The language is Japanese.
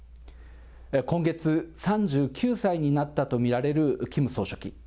今月、３９歳になったと見られるキム総書記。